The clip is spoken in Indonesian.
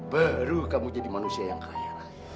baru kamu jadi manusia yang kaya